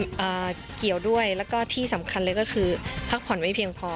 อ่าเกี่ยวด้วยแล้วก็ที่สำคัญเลยก็คือพักผ่อนไม่เพียงพอ